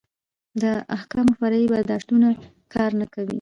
د احکامو فرعي برداشتونه کار نه کوي.